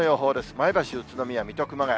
前橋、宇都宮、水戸、熊谷。